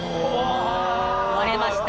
割れました。